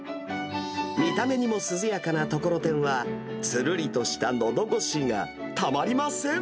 見た目にも涼やかなところてんは、つるりとしたのど越しがたまりません。